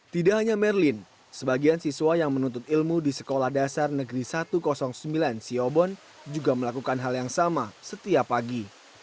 tidak hanya merlin sebagian siswa yang menuntut ilmu di sekolah dasar negeri satu ratus sembilan siobon juga melakukan hal yang sama setiap pagi